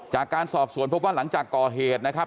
จากการสอบสวนพบว่าหลังจากก่อเหตุนะครับ